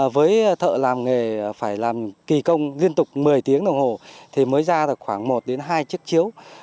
với thợ làm nghề phải làm kỳ công liên tục một mươi tiếng đồng hồ thì mới ra được khoảng một đến hai chiếc chiếu